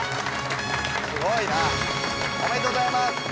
おめでとうございます！